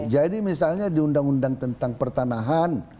jadi misalnya di undang undang tentang pertanahan